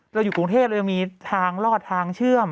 เราอยู่กรุงเทพเรายังมีทางรอดทางเชื่อม